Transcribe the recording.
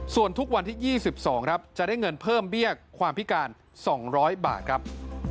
ส่วนทุกวันที่๒๒ครับจะได้เงินเพิ่มเบี้ยความพิการ๒๐๐บาทครับ